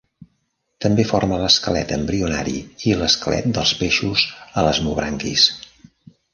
També forma l'esquelet embrionari i l'esquelet dels peixos elasmobranquis.